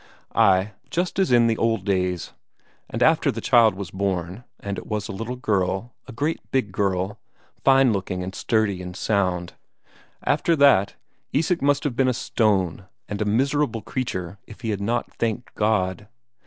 Ay, just as in the old days. And after the child was born and it was a little girl a great big girl, fine looking and sturdy and sound after that, Isak must have been a stone and a miserable creature if he had not thanked God.